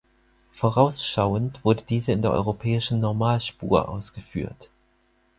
Vorausschauend wurde diese in der europäischen Normalspur ausgeführt.